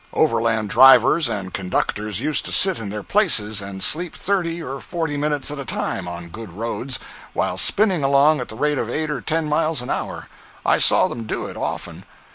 Overland drivers and conductors used to sit in their places and sleep thirty or forty minutes at a time, on good roads, while spinning along at the rate of eight or ten miles an hour. I saw them do it, often.